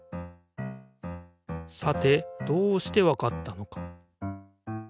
さてどうしてわかったのか？